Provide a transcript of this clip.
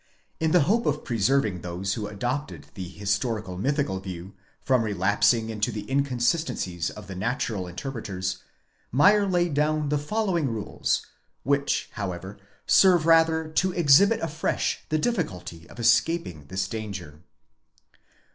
In the hope of preserving those who adopted the historical mythical view from relapsing into the inconsistencies of the natural interpreters, Meyer laid down the following rules, which however serve rather to exhibit afresh the difficulty of escaping this danger.